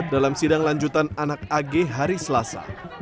dalam sidang lanjutan anak ag hari selasa